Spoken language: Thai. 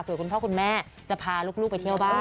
เพื่อคุณพ่อคุณแม่จะพาลูกไปเที่ยวบ้าน